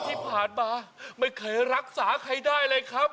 ที่ผ่านมาไม่เคยรักษาใครได้เลยครับ